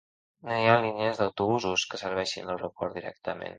No hi ha línies d'autobusos que serveixin l'aeroport directament.